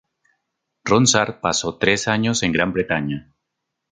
Ronsard pasó tres años en Gran Bretaña.